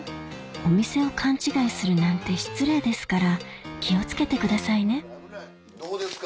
お店を勘違いするなんて失礼ですから気を付けてくださいねどうですか？